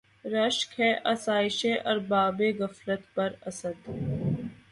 رشک ہے آسایشِ اربابِ غفلت پر اسد!